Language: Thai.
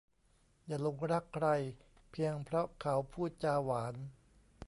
อย่าหลงรักใครเพียงเพราะเขาพูดจาหวาน